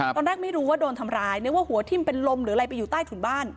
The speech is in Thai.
ตอนแรกไม่รู้ว่าโดนทำร้ายนึกว่าหัวทิ้มเป็นลมหรืออะไรไปอยู่ใต้ถุนบ้าน